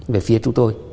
về phía chúng tôi